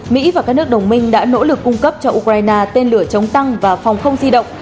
mỹ và các nước đồng minh đã nỗ lực cung cấp cho ukraine tên lửa chống tăng và phòng không di động